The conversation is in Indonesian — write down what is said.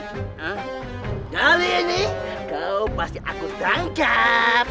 kali ini kau pasti aku tangkap